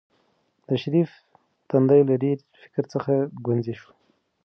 د شریف تندی له ډېر فکر څخه ګونځې شو.